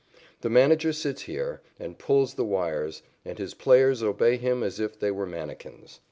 The manager sits here and pulls the wires, and his players obey him as if they were manikins.